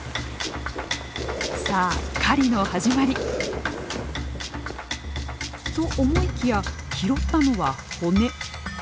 さあ狩りの始まり！と思いきや拾ったのは骨。